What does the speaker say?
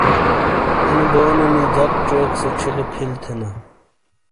انو بونےنی جک ڇیک سے ڇھیے پِھل تھینا۔